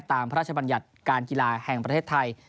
พระราชบัญญัติการกีฬาแห่งประเทศไทย